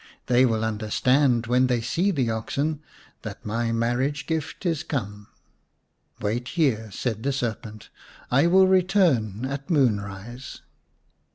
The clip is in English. "They will understand when they see the oxen that my marriage gift is come." "Wait here," said the serpent ;" I will return at moonrise."